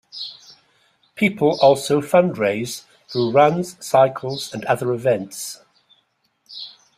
People also fundraise through runs, cycles and other events.